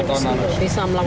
lima tahun lalu